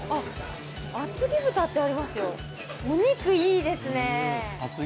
あっお肉いいですね。